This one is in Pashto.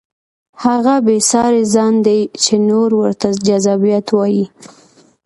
هغه بې ساري ځان دی چې نور ورته جذابیت وایي.